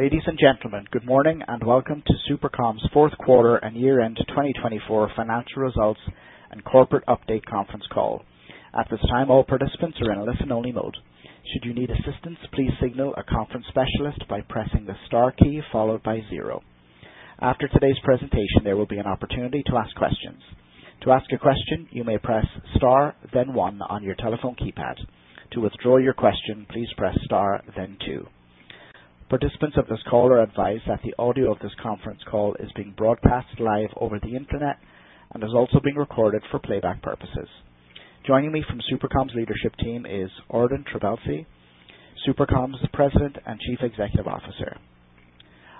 Ladies and gentlemen, good morning and welcome to SuperCom's Fourth Quarter and Year-End 2024 Financial Results and Corporate Update Conference call. At this time, all participants are in a listen-only mode. Should you need assistance, please signal a conference specialist by pressing the star key followed by zero. After today's presentation, there will be an opportunity to ask questions. To ask a question, you may press star, then one on your telephone keypad. To withdraw your question, please press star, then two. Participants of this call are advised that the audio of this conference call is being broadcast live over the internet and is also being recorded for playback purposes. Joining me from SuperCom's leadership team is Ordan Trabelsi, SuperCom's President and Chief Executive Officer.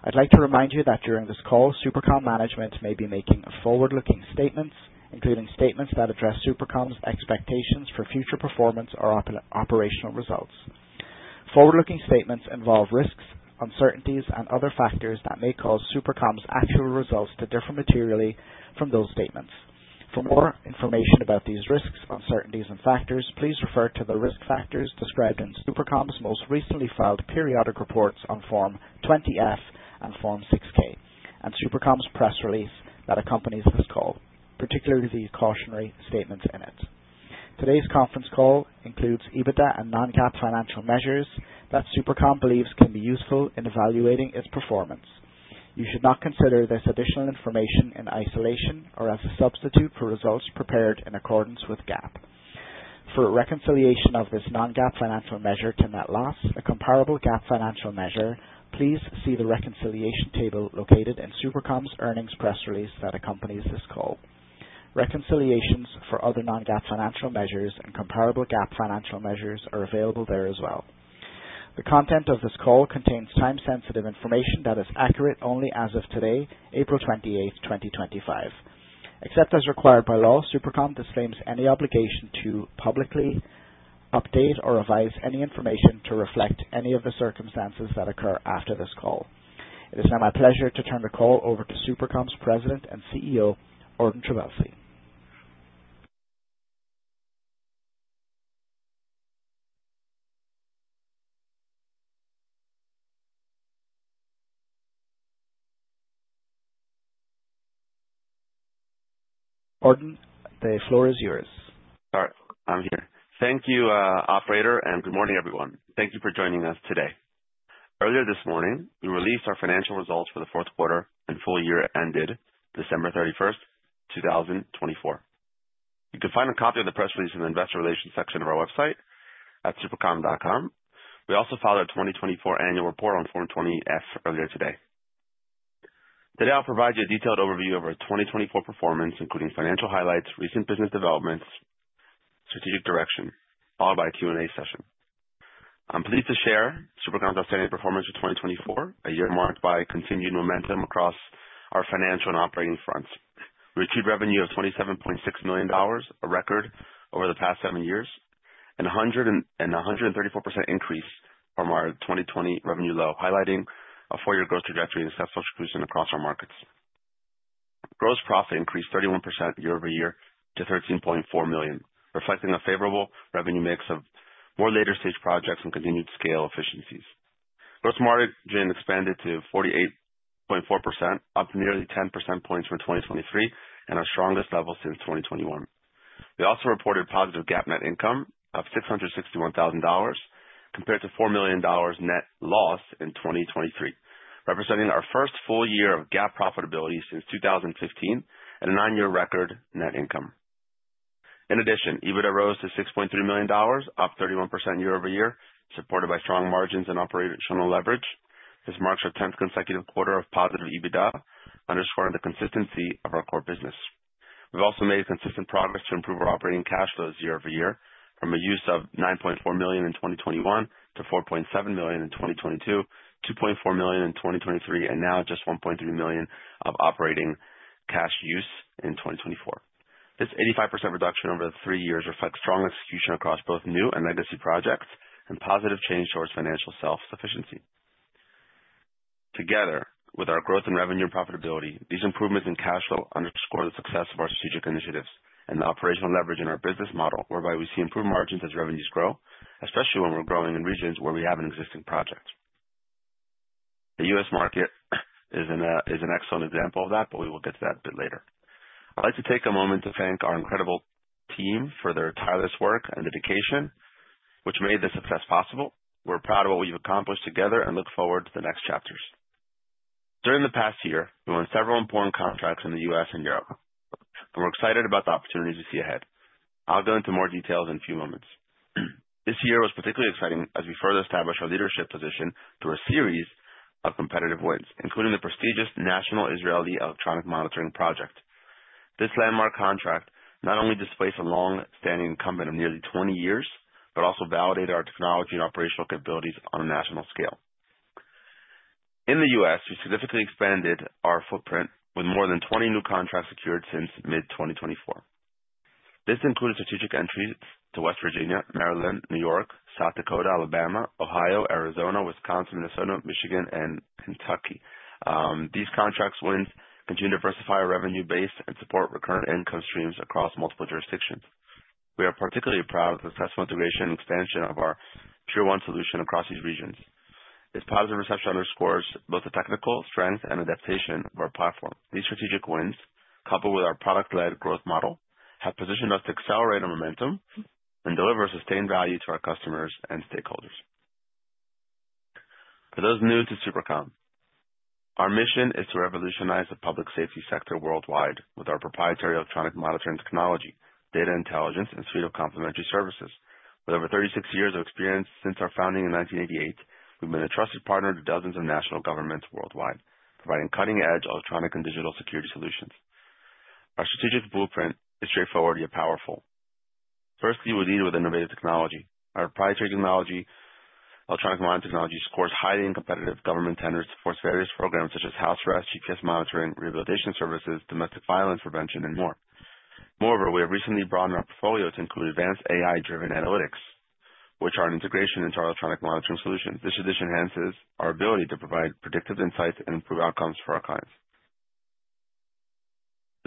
I'd like to remind you that during this call, SuperCom management may be making forward-looking statements, including statements that address SuperCom's expectations for future performance or operational results. Forward-looking statements involve risks, uncertainties, and other factors that may cause SuperCom's actual results to differ materially from those statements. For more information about these risks, uncertainties, and factors, please refer to the risk factors described in SuperCom's most recently filed periodic reports on Form 20F and Form 6K, and SuperCom's press release that accompanies this call, particularly the cautionary statements in it. Today's conference call includes EBITDA and non-GAAP financial measures that SuperCom believes can be useful in evaluating its performance. You should not consider this additional information in isolation or as a substitute for results prepared in accordance with GAAP. For reconciliation of this non-GAAP financial measure to net loss, a comparable GAAP financial measure, please see the reconciliation table located in SuperCom's earnings press release that accompanies this call. Reconciliations for other non-GAAP financial measures and comparable GAAP financial measures are available there as well. The content of this call contains time-sensitive information that is accurate only as of today, April 28th, 2025. Except as required by law, SuperCom disclaims any obligation to publicly update or revise any information to reflect any of the circumstances that occur after this call. It is now my pleasure to turn the call over to SuperCom's President and CEO, Ordan Trabelsi. Ordan, the floor is yours. All right. I'm here. Thank you, operator, and good morning, everyone. Thank you for joining us today. Earlier this morning, we released our financial results for the fourth quarter and full year ended December 31st, 2024. You can find a copy of the press release in the investor relations section of our website at supercom.com. We also filed our 2024 Annual Report on Form 20F earlier today. Today, I'll provide you a detailed overview of our 2024 performance, including financial highlights, recent business developments, and strategic direction, followed by a Q&A session. I'm pleased to share SuperCom's outstanding performance for 2024, a year marked by continued momentum across our financial and operating fronts. We achieved revenue of $27.6 million, a record over the past seven years, and a 134% increase from our 2020 revenue low, highlighting a four-year growth trajectory and successful execution across our markets. Gross profit increased 31% year over year to $13.4 million, reflecting a favorable revenue mix of more later-stage projects and continued scale efficiencies. Gross margin expanded to 48.4%, up nearly 10% points from 2023 and our strongest level since 2021. We also reported positive GAAP net income of $661,000 compared to $4 million net loss in 2023, representing our first full year of GAAP profitability since 2015 and a nine-year record net income. In addition, EBITDA rose to $6.3 million, up 31% year-over-year, supported by strong margins and operational leverage. This marks our 10th consecutive quarter of positive EBITDA, underscoring the consistency of our core business. We've also made consistent progress to improve our operating cash flows year-over-year, from a use of $9.4 million in 2021 to $4.7 million in 2022, $2.4 million in 2023, and now just $1.3 million of operating cash use in 2024. This 85% reduction over the three years reflects strong execution across both new and legacy projects and positive change towards financial self-sufficiency. Together, with our growth in revenue and profitability, these improvements in cash flow underscore the success of our strategic initiatives and the operational leverage in our business model, whereby we see improved margins as revenues grow, especially when we're growing in regions where we have an existing project. The U.S. market is an excellent example of that, but we will get to that a bit later. I'd like to take a moment to thank our incredible team for their tireless work and dedication, which made this success possible. We're proud of what we've accomplished together and look forward to the next chapters. During the past year, we won several important contracts in the U.S. and Europe, and we're excited about the opportunities we see ahead. I'll go into more details in a few moments. This year was particularly exciting as we further established our leadership position through a series of competitive wins, including the prestigious National Israeli Electronic Monitoring Project. This landmark contract not only displaced a long-standing incumbent of nearly 20 years but also validated our technology and operational capabilities on a national scale. In the U.S., we significantly expanded our footprint with more than 20 new contracts secured since mid-2024. This included strategic entries to West Virginia, Maryland, New York, South Dakota, Alabama, Ohio, Arizona, Wisconsin, Minnesota, Michigan, and Kentucky. These contracts' wins continue to diversify our revenue base and support recurrent income streams across multiple jurisdictions. We are particularly proud of the successful integration and expansion of our tier-one solution across these regions. This positive reception underscores both the technical strength and adaptation of our platform. These strategic wins, coupled with our product-led growth model, have positioned us to accelerate our momentum and deliver sustained value to our customers and stakeholders. For those new to SuperCom, our mission is to revolutionize the public safety sector worldwide with our proprietary electronic monitoring technology, data intelligence, and suite of complementary services. With over 36 years of experience since our founding in 1988, we've been a trusted partner to dozens of national governments worldwide, providing cutting-edge electronic and digital security solutions. Our strategic blueprint is straightforward yet powerful. Firstly, we lead with innovative technology. Our proprietary electronic monitoring technology scores highly in competitive government tenders towards various programs such as house arrest, GPS monitoring, rehabilitation services, domestic violence prevention, and more. Moreover, we have recently broadened our portfolio to include advanced AI-driven analytics, which are an integration into our electronic monitoring solutions. This addition enhances our ability to provide predictive insights and improve outcomes for our clients.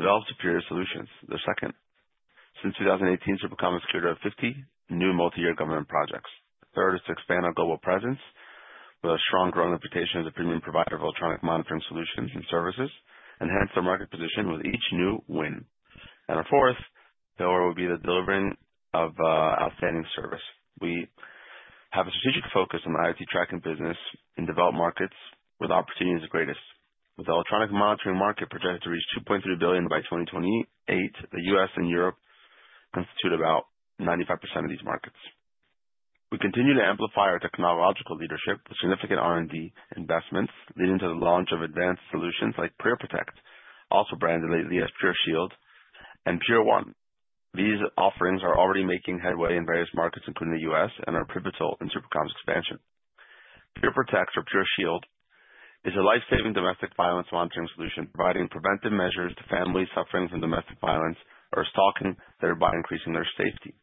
Develop superior solutions is our second. Since 2018, SuperCom has secured over 50 new multi-year government projects. The third is to expand our global presence with a strong growing reputation as a premium provider of electronic monitoring solutions and services, enhance our market position with each new win. Our fourth pillar will be the delivering of outstanding service. We have a strategic focus on the IoT tracking business and develop markets with opportunities the greatest. With the electronic monitoring market projected to reach $2.3 billion by 2028, the U.S. and Europe constitute about 95% of these markets. We continue to amplify our technological leadership with significant R&D investments, leading to the launch of advanced solutions like PureProtect, also branded lately as PureShield, and PureOne. These offerings are already making headway in various markets, including the U.S., and are pivotal in SuperCom's expansion. PureProtect, or PureShield, is a lifesaving domestic violence monitoring solution, providing preventive measures to families suffering from domestic violence or stalking thereby increasing their safety.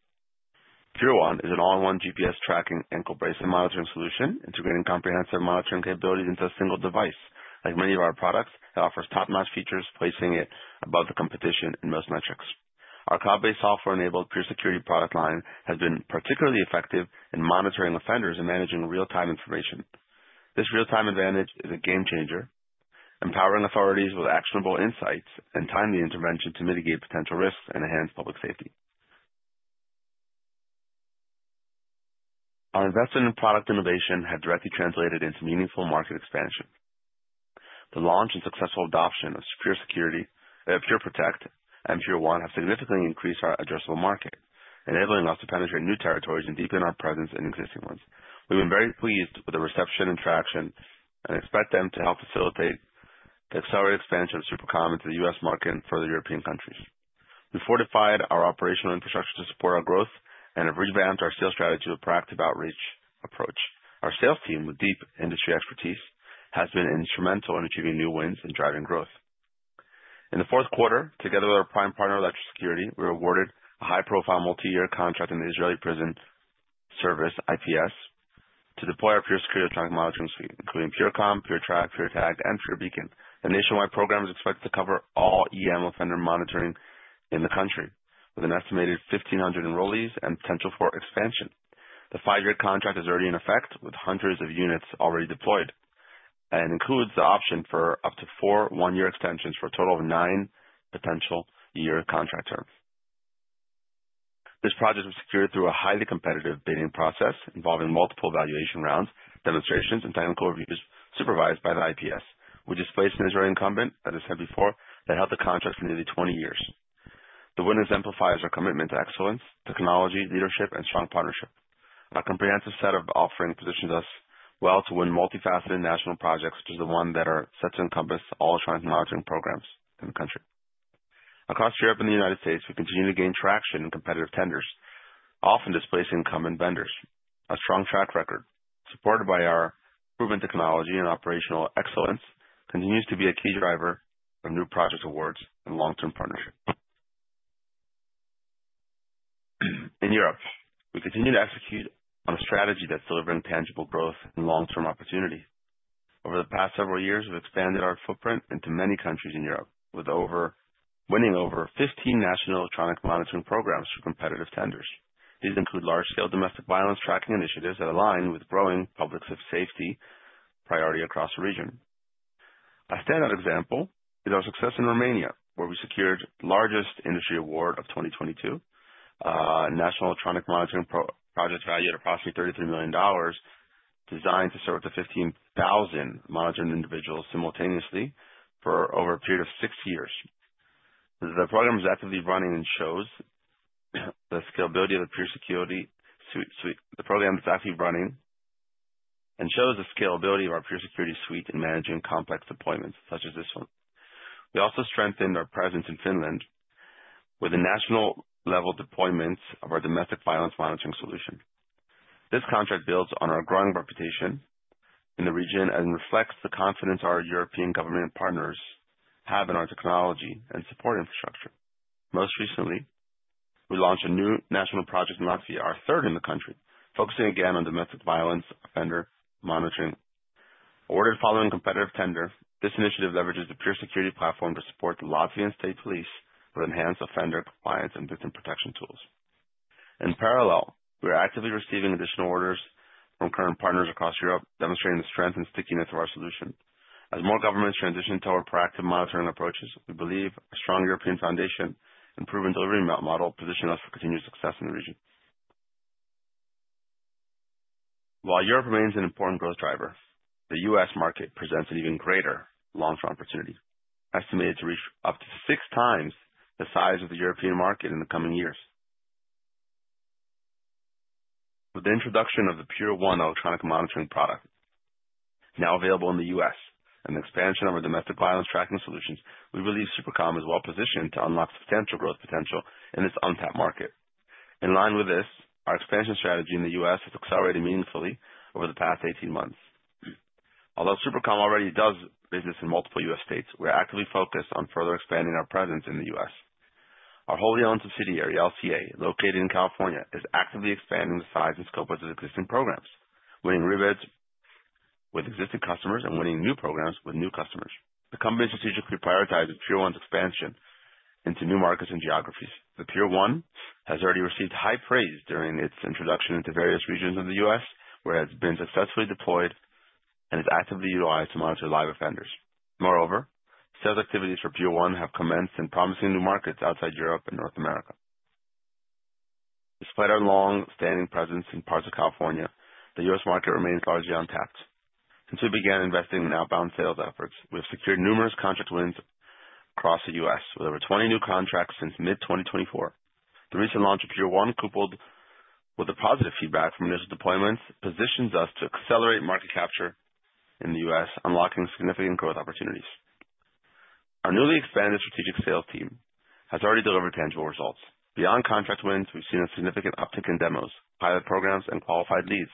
PureOne is an all-in-one GPS tracking ankle bracelet and monitoring solution, integrating comprehensive monitoring capabilities into a single device. Like many of our products, it offers top-notch features, placing it above the competition in most metrics. Our cloud-based software-enabled PureSecurity product line has been particularly effective in monitoring offenders and managing real-time information. This real-time advantage is a game-changer, empowering authorities with actionable insights and timely intervention to mitigate potential risks and enhance public safety. Our investment in product innovation has directly translated into meaningful market expansion. The launch and successful adoption of PureSecurity by PureProtect and PureOne have significantly increased our addressable market, enabling us to penetrate new territories and deepen our presence in existing ones. We've been very pleased with the reception and traction and expect them to help facilitate the accelerated expansion of SuperCom into the U.S. market and further European countries. We've fortified our operational infrastructure to support our growth and have revamped our sales strategy with a proactive outreach approach. Our sales team, with deep industry expertise, has been instrumental in achieving new wins and driving growth. In the fourth quarter, together with our prime partner, Electric Security, we were awarded a high-profile multi-year contract in the Israeli Prison Service IPS to deploy our PureSecurity electronic monitoring suite, including PureCom, PureTrack, PureTag, and PureBeacon. The nationwide program is expected to cover all EM offender monitoring in the country, with an estimated 1,500 enrollees and potential for expansion. The five-year contract is already in effect, with hundreds of units already deployed, and includes the option for up to four one-year extensions for a total of nine potential year contract terms. This project was secured through a highly competitive bidding process involving multiple valuation rounds, demonstrations, and technical reviews supervised by the IPS, which displaced an Israeli incumbent, as I said before, that held the contract for nearly 20 years. The win exemplifies our commitment to excellence, technology, leadership, and strong partnership. Our comprehensive set of offerings positions us well to win multifaceted national projects, which is the one that is set to encompass all electronic monitoring programs in the country. Across Europe and the United States, we continue to gain traction in competitive tenders, often displacing incumbent vendors. Our strong track record, supported by our proven technology and operational excellence, continues to be a key driver of new project awards and long-term partnerships. In Europe, we continue to execute on a strategy that is delivering tangible growth and long-term opportunity. Over the past several years, we have expanded our footprint into many countries in Europe, winning over 15 national electronic monitoring programs through competitive tenders. These include large-scale domestic violence tracking initiatives that align with growing public safety priority across the region. A standout example is our success in Romania, where we secured the largest industry award of 2022, a national electronic monitoring project valued at approximately $33 million, designed to serve up to 15,000 monitoring individuals simultaneously for over a period of six years. The program is actively running and shows the scalability of the PureSecurity Suite. The program is actively running and shows the scalability of our PureSecurity Suite in managing complex deployments such as this one. We also strengthened our presence in Finland with a national-level deployment of our domestic violence monitoring solution. This contract builds on our growing reputation in the region and reflects the confidence our European government partners have in our technology and support infrastructure. Most recently, we launched a new national project in Latvia, our third in the country, focusing again on domestic violence offender monitoring. Ordered following a competitive tender, this initiative leverages the PureSecurity platform to support the Latvian state police with enhanced offender compliance and victim protection tools. In parallel, we are actively receiving additional orders from current partners across Europe, demonstrating the strength and stickiness of our solution. As more governments transition to our proactive monitoring approaches, we believe a strong European foundation and proven delivery model position us for continued success in the region. While Europe remains an important growth driver, the U.S. market presents an even greater long-term opportunity, estimated to reach up to six times the size of the European market in the coming years. With the introduction of the PureOne electronic monitoring product, now available in the U.S., and the expansion of our domestic violence tracking solutions, we believe SuperCom is well-positioned to unlock substantial growth potential in its untapped market. In line with this, our expansion strategy in the U.S. has accelerated meaningfully over the past 18 months. Although SuperCom already does business in multiple U.S. states, we're actively focused on further expanding our presence in the U.S. Our wholly-owned subsidiary, LCA, located in California, is actively expanding the size and scope of its existing programs, winning rebates with existing customers and winning new programs with new customers. The company strategically prioritizes PureOne's expansion into new markets and geographies. PureOne has already received high praise during its introduction into various regions of the U.S., where it has been successfully deployed and is actively utilized to monitor live offenders. Moreover, sales activities for PureOne have commenced in promising new markets outside Europe and North America. Despite our long-standing presence in parts of California, the U.S. market remains largely untapped. Since we began investing in outbound sales efforts, we have secured numerous contract wins across the U.S., with over 20 new contracts since mid-2024. The recent launch of PureOne, coupled with the positive feedback from initial deployments, positions us to accelerate market capture in the U.S., unlocking significant growth opportunities. Our newly expanded strategic sales team has already delivered tangible results. Beyond contract wins, we've seen a significant uptick in demos, pilot programs, and qualified leads,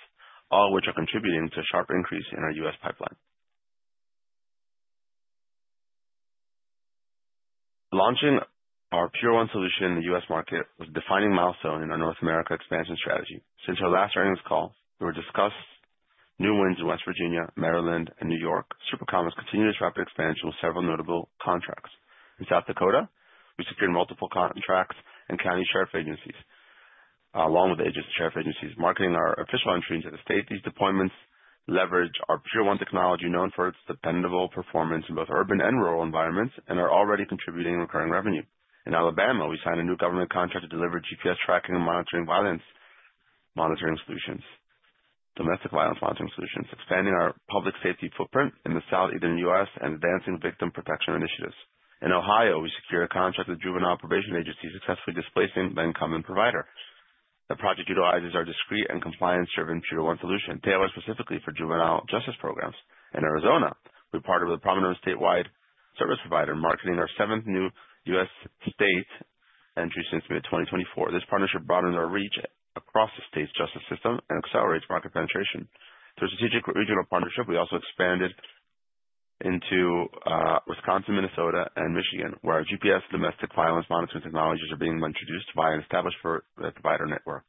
all of which are contributing to a sharp increase in our U.S. pipeline. Launching our PureOne solution in the U.S. market was a defining milestone in our North America expansion strategy. Since our last earnings call, we were discussing new wins in West Virginia, Maryland, and New York. SuperCom has continued its rapid expansion with several notable contracts. In South Dakota, we secured multiple contracts and county sheriff agencies, along with the agency sheriff agencies, marking our official entry into the state. These deployments leverage our PureOne technology, known for its dependable performance in both urban and rural environments, and are already contributing recurring revenue. In Alabama, we signed a new government contract to deliver GPS tracking and monitoring violence monitoring solutions, domestic violence monitoring solutions, expanding our public safety footprint in the south-eastern U.S. and advancing victim protection initiatives. In Ohio, we secured a contract with a juvenile probation agency, successfully displacing the incumbent provider. The project utilizes our discreet and compliance-driven PureOne solution, tailored specifically for juvenile justice programs. In Arizona, we partnered with a prominent statewide service provider, marking our seventh new U.S. state entry since mid-2024. This partnership broadens our reach across the state's justice system and accelerates market penetration. Through a strategic regional partnership, we also expanded into Wisconsin, Minnesota, and Michigan, where our GPS domestic violence monitoring technologies are being introduced by an established provider network.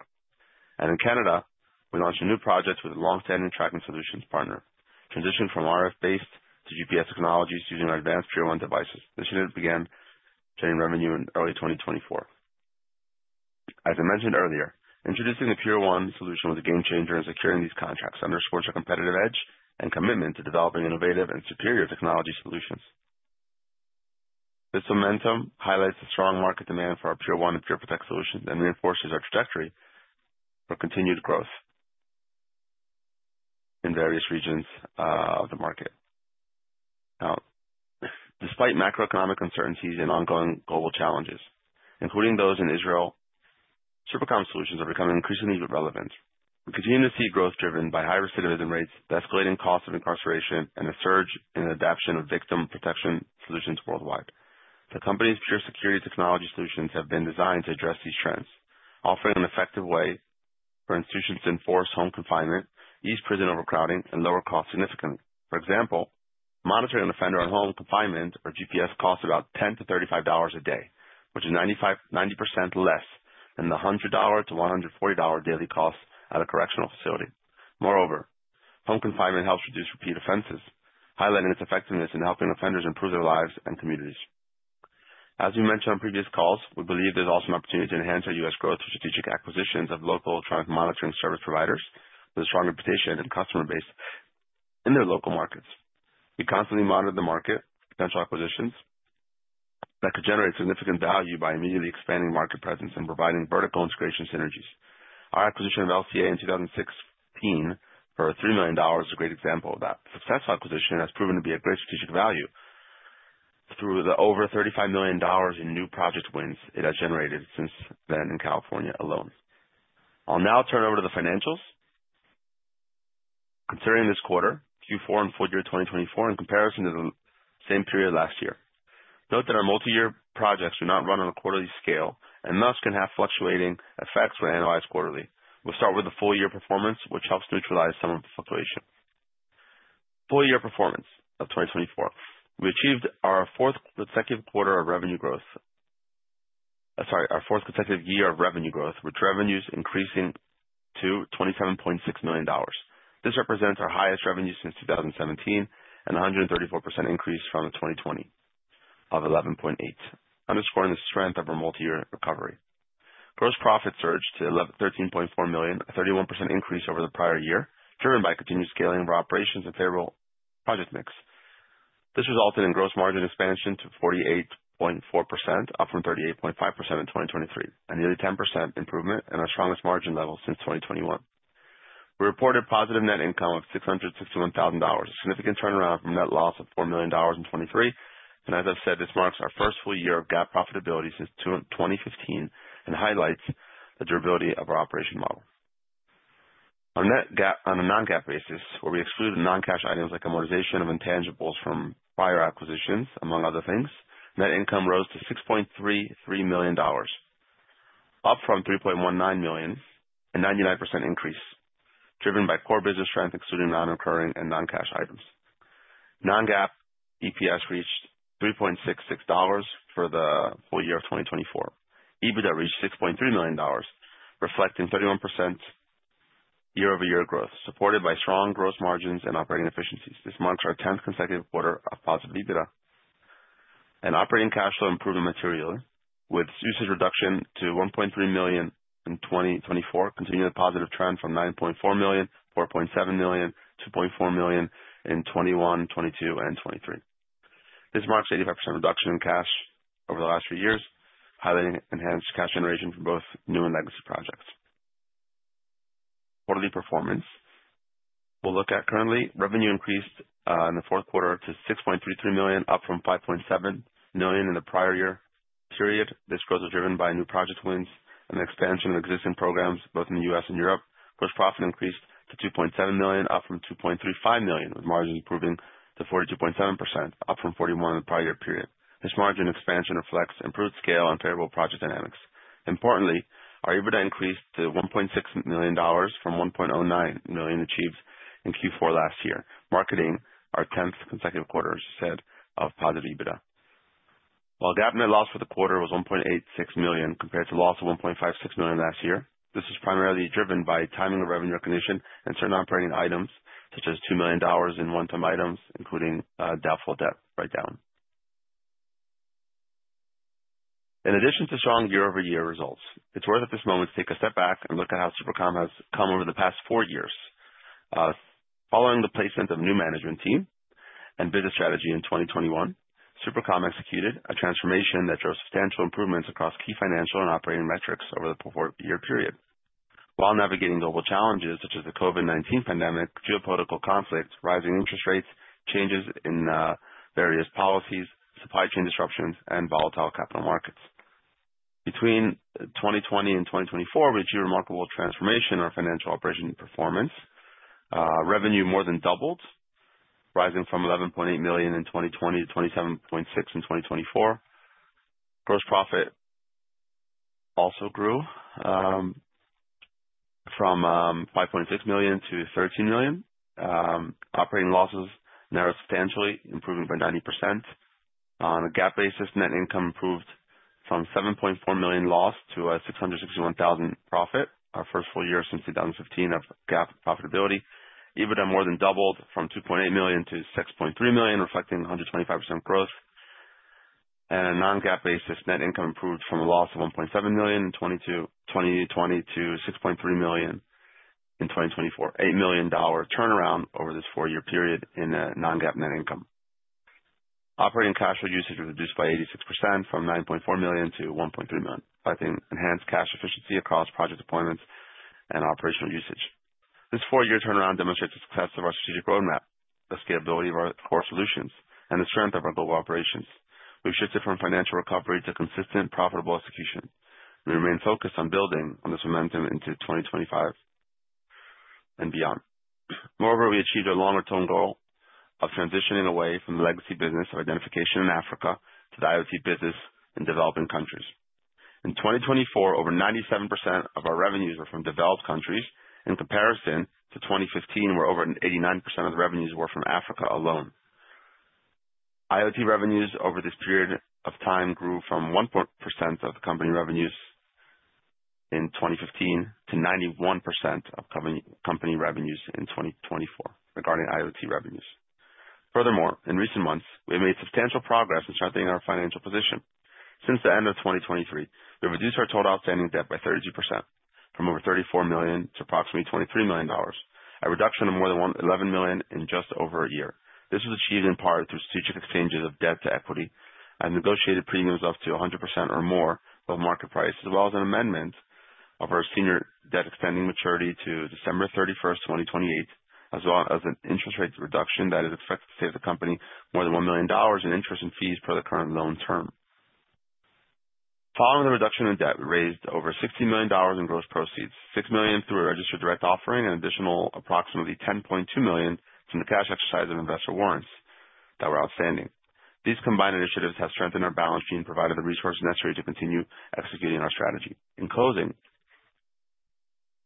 In Canada, we launched a new project with a long-standing tracking solutions partner, transitioning from RF-based to GPS technologies using our advanced PureOne devices. This unit began generating revenue in early 2024. As I mentioned earlier, introducing the PureOne solution was a game-changer in securing these contracts, underscoring our competitive edge and commitment to developing innovative and superior technology solutions. This momentum highlights the strong market demand for our PureOne and PureProtect solutions and reinforces our trajectory for continued growth in various regions of the market. Now, despite macroeconomic uncertainties and ongoing global challenges, including those in Israel, SuperCom's solutions are becoming increasingly relevant. We continue to see growth driven by high recidivism rates, the escalating cost of incarceration, and the surge in adoption of victim protection solutions worldwide. The company's PureSecurity technology solutions have been designed to address these trends, offering an effective way for institutions to enforce home confinement, ease prison overcrowding, and lower costs significantly. For example, monitoring an offender on home confinement or GPS costs about $10-$35 a day, which is 90% less than the $100-$140 daily costs at a correctional facility. Moreover, home confinement helps reduce repeat offenses, highlighting its effectiveness in helping offenders improve their lives and communities. As we mentioned on previous calls, we believe there's also an opportunity to enhance our U.S. growth through strategic acquisitions of local electronic monitoring service providers with a strong reputation and customer base in their local markets. We constantly monitor the market for potential acquisitions that could generate significant value by immediately expanding market presence and providing vertical integration synergies. Our acquisition of LCA in 2016 for $3 million is a great example of that. The successful acquisition has proven to be of great strategic value through the over $35 million in new project wins it has generated since then in California alone. I'll now turn over to the financials. Considering this quarter, Q4 and full year 2024 in comparison to the same period last year, note that our multi-year projects do not run on a quarterly scale and thus can have fluctuating effects when analyzed quarterly. We'll start with the full year performance, which helps neutralize some of the fluctuation. Full year performance of 2024, we achieved our fourth consecutive year of revenue growth, with revenues increasing to $27.6 million. This represents our highest revenue since 2017 and a 134% increase from 2020 of $11.8 million, underscoring the strength of our multi-year recovery. Gross profit surged to $13.4 million, a 31% increase over the prior year, driven by continued scaling of our operations and favorable project mix. This resulted in gross margin expansion to 48.4%, up from 38.5% in 2023, a nearly 10% improvement in our strongest margin level since 2021. We reported positive net income of $661,000, a significant turnaround from net loss of $4 million in 2023. As I've said, this marks our first full year of GAAP profitability since 2015 and highlights the durability of our operation model. On a non-GAAP basis, where we excluded non-cash items like amortization of intangibles from prior acquisitions, among other things, net income rose to $6.33 million, up from $3.19 million, a 99% increase, driven by core business strength, excluding non-recurring and non-cash items. Non-GAAP EPS reached $3.66 for the full year of 2024. EBITDA reached $6.3 million, reflecting 31% year-over-year growth, supported by strong gross margins and operating efficiencies. This marks our 10th consecutive quarter of positive EBITDA. Operating cash flow improved materially, with usage reduction to $1.3 million in 2024, continuing the positive trend from $9.4 million, $4.7 million, $2.4 million in 2021, 2022, and 2023. This marks an 85% reduction in cash over the last few years, highlighting enhanced cash generation for both new and legacy projects. Quarterly performance, we'll look at currently. Revenue increased in the fourth quarter to $6.33 million, up from $5.7 million in the prior year period. This growth was driven by new project wins and the expansion of existing programs both in the U.S. and Europe. Gross profit increased to $2.7 million, up from $2.35 million, with margins improving to 42.7%, up from 41% in the prior year period. This margin expansion reflects improved scale and favorable project dynamics. Importantly, our EBITDA increased to $1.6 million from $1.09 million achieved in Q4 last year, marking our 10th consecutive quarter, as you said, of positive EBITDA. While GAAP net loss for the quarter was $1.86 million compared to loss of $1.56 million last year, this was primarily driven by timing of revenue recognition and certain operating items, such as $2 million in one-time items, including doubtful debt write-down. In addition to strong year-over-year results, it's worth at this moment to take a step back and look at how SuperCom has come over the past four years. Following the placement of a new management team and business strategy in 2021, SuperCom executed a transformation that drove substantial improvements across key financial and operating metrics over the four-year period. While navigating global challenges such as the COVID-19 pandemic, geopolitical conflicts, rising interest rates, changes in various policies, supply chain disruptions, and volatile capital markets. Between 2020 and 2024, we achieved remarkable transformation in our financial operation performance. Revenue more than doubled, rising from $11.8 million in 2020 to $27.6 million in 2024. Gross profit also grew from $5.6 million to $13 million. Operating losses narrowed substantially, improving by 90%. On a GAAP basis, net income improved from $7.4 million loss to $661,000 profit, our first full year since 2015 of GAAP profitability. EBITDA more than doubled from $2.8 million to $6.3 million, reflecting 125% growth. On a non-GAAP basis, net income improved from a loss of $1.7 million in 2020 to $6.3 million in 2024, an $8 million turnaround over this four-year period in non-GAAP net income. Operating cash flow usage was reduced by 86% from $9.4 million to $1.3 million, reflecting enhanced cash efficiency across project deployments and operational usage. This four-year turnaround demonstrates the success of our strategic roadmap, the scalability of our core solutions, and the strength of our global operations. We've shifted from financial recovery to consistent, profitable execution. We remain focused on building on this momentum into 2025 and beyond. Moreover, we achieved our longer-term goal of transitioning away from the legacy business of identification in Africa to the IoT business in developing countries. In 2024, over 97% of our revenues were from developed countries. In comparison to 2015, where over 89% of the revenues were from Africa alone, IoT revenues over this period of time grew from 1% of the company revenues in 2015 to 91% of company revenues in 2024 regarding IoT revenues. Furthermore, in recent months, we have made substantial progress in strengthening our financial position. Since the end of 2023, we've reduced our total outstanding debt by 32%, from over $34 million to approximately $23 million, a reduction of more than $11 million in just over a year. This was achieved in part through strategic exchanges of debt to equity and negotiated premiums up to 100% or more of market price, as well as an amendment of our senior debt extending maturity to December 31, 2028, as well as an interest rate reduction that is expected to save the company more than $1 million in interest and fees per the current loan term. Following the reduction in debt, we raised over $60 million in gross proceeds, $6 million through a registered direct offering, and an additional approximately $10.2 million from the cash exercise of investor warrants that were outstanding. These combined initiatives have strengthened our balance sheet and provided the resources necessary to continue executing our strategy. In closing,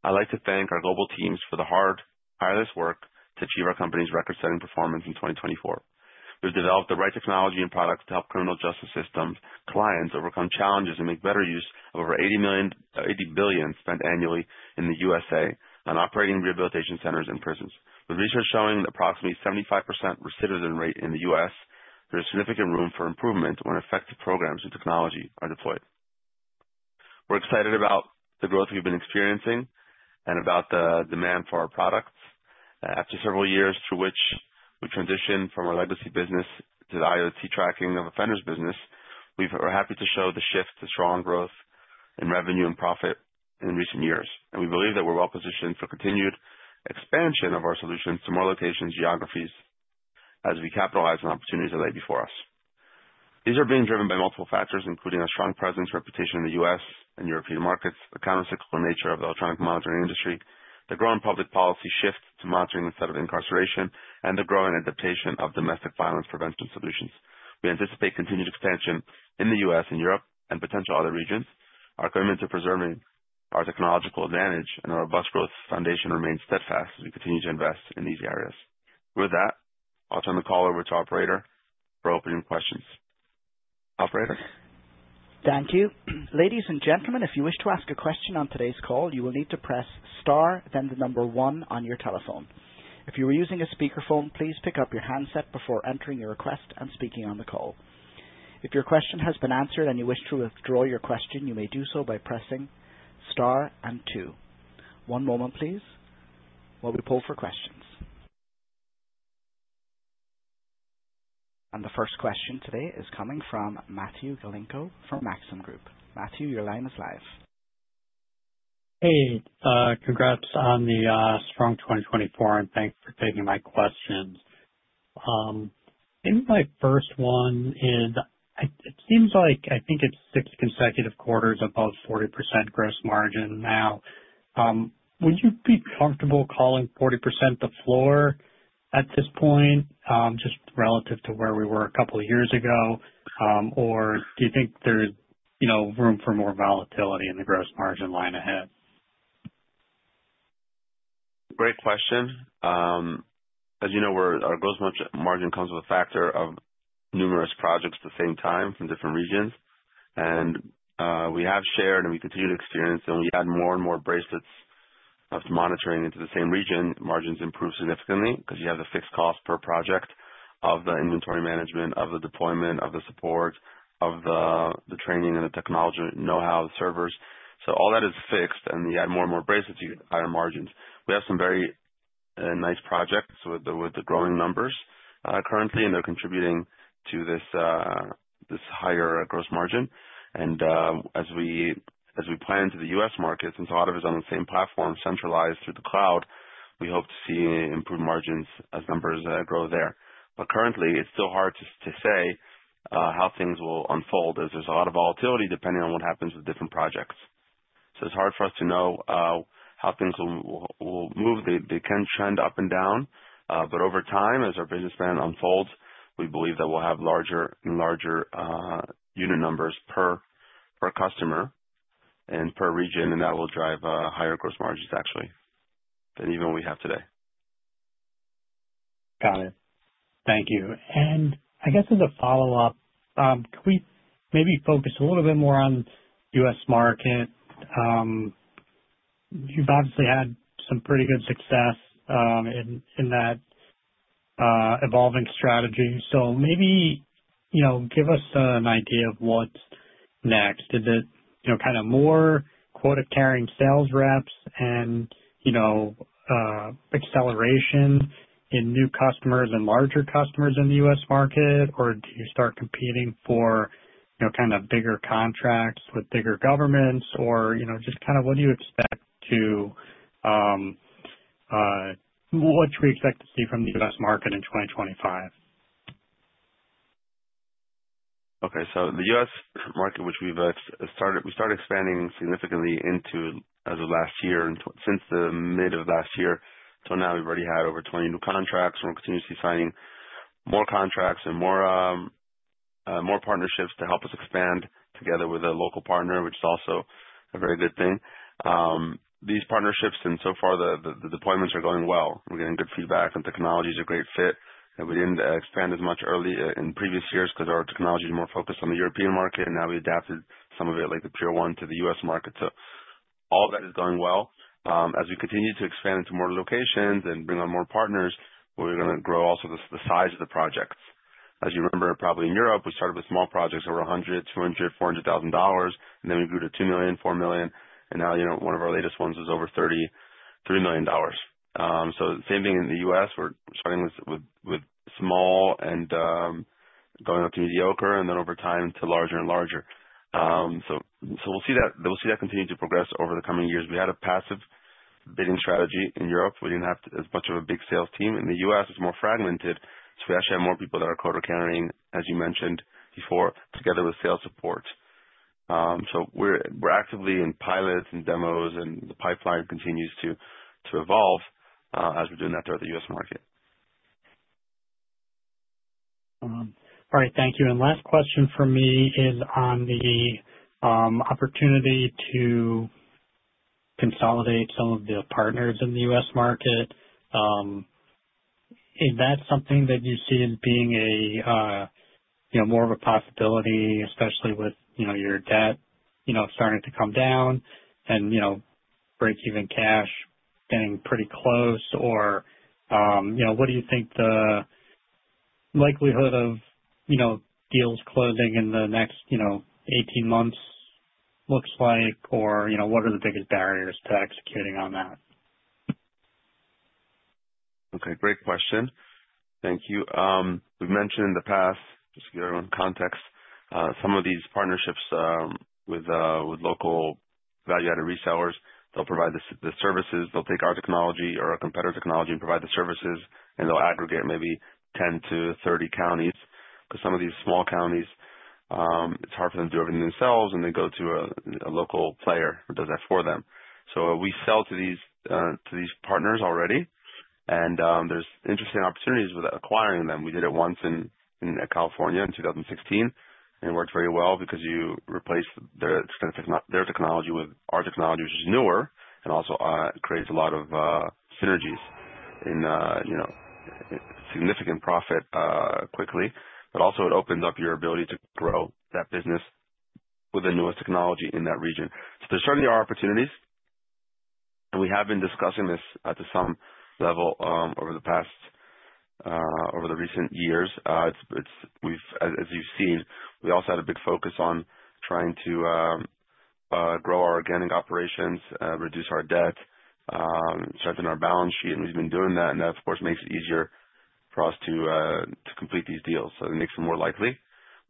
I'd like to thank our global teams for the hard tireless work to achieve our company's record-setting performance in 2024. We've developed the right technology and products to help criminal justice system clients overcome challenges and make better use of over $80 billion spent annually in the U.S.A. on operating rehabilitation centers and prisons. With research showing that approximately 75% recidivism rate in the U.S., there is significant room for improvement when effective programs and technology are deployed. We're excited about the growth we've been experiencing and about the demand for our products. After several years through which we transitioned from our legacy business to the IoT tracking of offenders' business, we're happy to show the shift to strong growth in revenue and profit in recent years. We believe that we're well-positioned for continued expansion of our solutions to more locations, geographies, as we capitalize on opportunities that lay before us. These are being driven by multiple factors, including a strong presence, reputation in the U.S. and European markets, the countercyclical nature of the electronic monitoring industry, the growing public policy shift to monitoring instead of incarceration, and the growing adaptation of domestic violence prevention solutions. We anticipate continued expansion in the U.S. and Europe and potential other regions. Our commitment to preserving our technological advantage and our robust growth foundation remains steadfast as we continue to invest in these areas. With that, I'll turn the call over to Operator for opening questions. Operator? Thank you. Ladies and gentlemen, if you wish to ask a question on today's call, you will need to press star, then the number one on your telephone. If you are using a speakerphone, please pick up your handset before entering your request and speaking on the call. If your question has been answered and you wish to withdraw your question, you may do so by pressing star and two. One moment, please, while we pull for questions. The first question today is coming from Matthew Galinko from Maxim Group. Matthew, your line is live. Hey, congrats on the strong 2024, and thanks for taking my questions. I think my first one is, it seems like I think it's six consecutive quarters above 40% gross margin now. Would you be comfortable calling 40% the floor at this point, just relative to where we were a couple of years ago, or do you think there's room for more volatility in the gross margin line ahead? Great question. As you know, our gross margin comes with a factor of numerous projects at the same time from different regions. We have shared, and we continue to experience, and we add more and more bracelets of monitoring into the same region. Margins improve significantly because you have the fixed cost per project of the inventory management, of the deployment, of the support, of the training and the technology know-how, the servers. All that is fixed, and you add more and more bracelets, you get higher margins. We have some very nice projects with the growing numbers currently, and they're contributing to this higher gross margin. As we plan to the U.S. market, since a lot of it is on the same platform, centralized through the cloud, we hope to see improved margins as numbers grow there. Currently, it's still hard to say how things will unfold as there's a lot of volatility depending on what happens with different projects. It is hard for us to know how things will move. They can trend up and down, but over time, as our business plan unfolds, we believe that we will have larger and larger unit numbers per customer and per region, and that will drive higher gross margins, actually, than even what we have today. Got it. Thank you. I guess as a follow-up, can we maybe focus a little bit more on the U.S. market? You have obviously had some pretty good success in that evolving strategy. Maybe give us an idea of what is next. Is it kind of more quota-carrying sales reps and acceleration in new customers and larger customers in the U.S. market, or do you start competing for kind of bigger contracts with bigger governments, or just kind of what do you expect to what should we expect to see from the U.S. market in 2025? Okay. The U.S. market, which we've started expanding significantly into as of last year, and since the middle of last year till now, we've already had over 20 new contracts, and we're continuously signing more contracts and more partnerships to help us expand together with a local partner, which is also a very good thing. These partnerships, and so far, the deployments are going well. We're getting good feedback, and technology is a great fit. We didn't expand as much early in previous years because our technology is more focused on the European market, and now we adapted some of it, like the tier one, to the U.S. market. All that is going well. As we continue to expand into more locations and bring on more partners, we're going to grow also the size of the projects. As you remember, probably in Europe, we started with small projects over $100,000, $200,000, $400,000, and then we grew to $2 million, $4 million, and now one of our latest ones is over $33 million. The same thing in the U.S. We're starting with small and going up to mediocre, and then over time to larger and larger. We will see that continue to progress over the coming years. We had a passive bidding strategy in Europe. We did not have as much of a big sales team. In the U.S., it is more fragmented, so we actually have more people that are quota-carrying, as you mentioned before, together with sales support. We are actively in pilots and demos, and the pipeline continues to evolve as we are doing that throughout the U.S. market. All right. Thank you. Last question for me is on the opportunity to consolidate some of the partners in the U.S. market. Is that something that you see as being more of a possibility, especially with your debt starting to come down and break-even cash getting pretty close? What do you think the likelihood of deals closing in the next 18 months looks like, or what are the biggest barriers to executing on that? Great question. Thank you. We've mentioned in the past, just to give everyone context, some of these partnerships with local value-added resellers, they'll provide the services. They'll take our technology or our competitor technology and provide the services, and they'll aggregate maybe 10-30 counties. Because some of these small counties, it's hard for them to do everything themselves, and they go to a local player who does that for them. We sell to these partners already, and there's interesting opportunities with acquiring them. We did it once in California in 2016, and it worked very well because you replace their technology with our technology, which is newer and also creates a lot of synergies and significant profit quickly. It also opens up your ability to grow that business with the newest technology in that region. There are certainly opportunities, and we have been discussing this at some level over the past, over the recent years. As you've seen, we also had a big focus on trying to grow our organic operations, reduce our debt, strengthen our balance sheet. We've been doing that, and that, of course, makes it easier for us to complete these deals. It makes it more likely.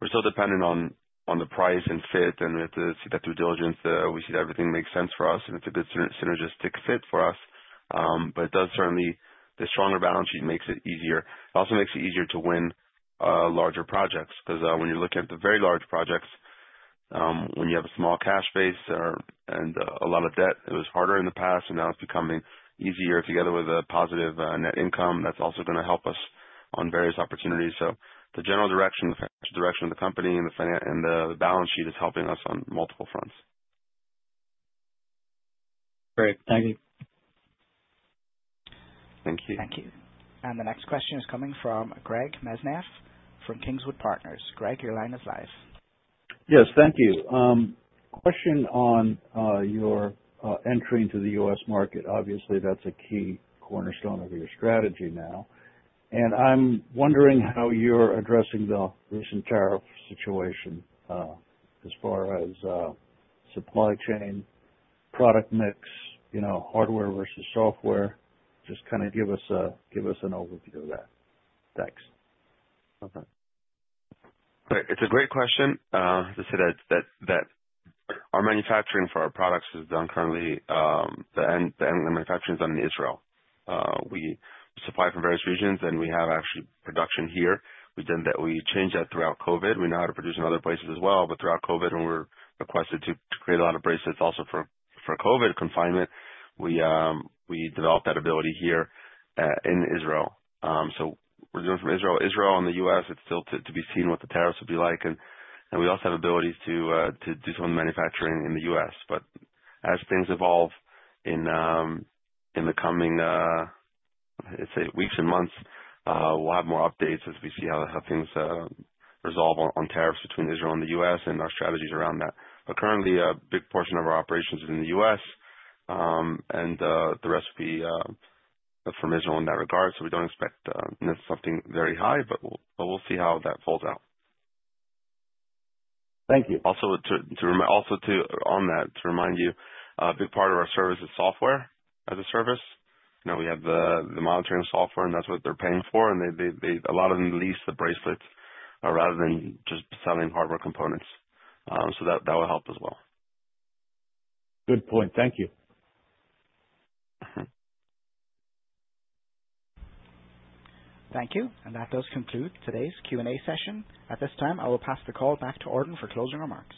We're still dependent on the price and fit, and we have to see that due diligence. We see that everything makes sense for us, and it's a good synergistic fit for us. It does certainly, the stronger balance sheet makes it easier. It also makes it easier to win larger projects because when you're looking at the very large projects, when you have a small cash base and a lot of debt, it was harder in the past, and now it's becoming easier together with a positive net income. That's also going to help us on various opportunities. The general direction, the financial direction of the company, and the balance sheet is helping us on multiple fronts. Great. Thank you. Thank you. Thank you. The next question is coming from Greg Mesniaeff from Kingswood Capital Partners. Greg, your line is live. Yes. Thank you. Question on your entry into the U.S. market. Obviously, that's a key cornerstone of your strategy now. I'm wondering how you're addressing the recent tariff situation as far as supply chain, product mix, hardware versus software. Just kind of give us an overview of that. Thanks. Okay. Great. It's a great question. I just said that our manufacturing for our products is done currently. The manufacturing is done in Israel. We supply from various regions, and we have actually production here. We changed that throughout COVID. We know how to produce in other places as well, but throughout COVID, when we're requested to create a lot of bracelets also for COVID confinement, we developed that ability here in Israel. We are doing it from Israel. Israel and the U.S., it's still to be seen what the tariffs will be like. We also have abilities to do some of the manufacturing in the U.S. As things evolve in the coming, let's say, weeks and months, we'll have more updates as we see how things resolve on tariffs between Israel and the U.S. and our strategies around that. Currently, a big portion of our operations is in the U.S., and the rest will be from Israel in that regard. We don't expect something very high, but we'll see how that folds out. Thank you. Also on that, to remind you, a big part of our service is software as a service. We have the monitoring software, and that's what they're paying for. A lot of them lease the bracelets rather than just selling hardware components. That will help as well. Good point. Thank you. Thank you. That does conclude today's Q&A session. At this time, I will pass the call back to Ordan for closing remarks.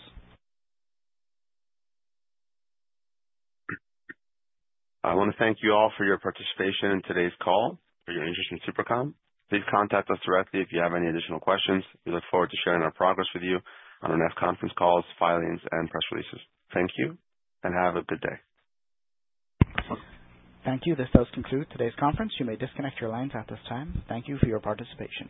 I want to thank you all for your participation in today's call, for your interest in SuperCom. Please contact us directly if you have any additional questions. We look forward to sharing our progress with you on our next conference calls, filings, and press releases. Thank you, and have a good day. Thank you. This does conclude today's conference. You may disconnect your lines at this time. Thank you for your participation.